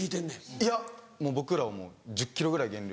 いやもう僕らはもう１０ｋｇぐらい減量。